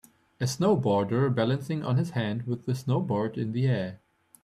a snowboarder balancing on his hand with the snowboard in the air